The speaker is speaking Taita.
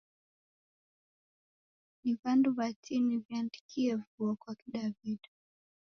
Ni w'andu w'atini w'iandikie vuo kwa Kidaw'ida.